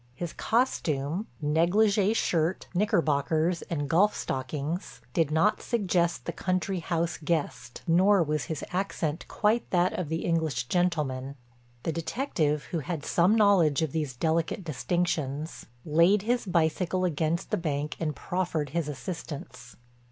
His costume—negligée shirt, knickerbockers and golf stockings—did not suggest the country house guest, nor was his accent quite that of the English gentleman. The detective, who had some knowledge of these delicate distinctions, laid his bicycle against the bank and proffered his assistance.